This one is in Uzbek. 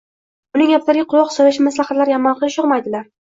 uning gaplariga quloq solishi, maslahatlariga amal qilishi yoqmaydilar.